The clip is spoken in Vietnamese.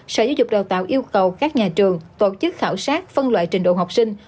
sở giáo dục đào tạo yêu cầu các nhà trường tổ chức khảo sát phân loại trình độ học sinh